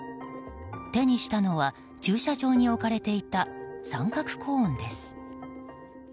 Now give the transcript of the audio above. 手にしたのは駐車場に置かれていた三角コーンです。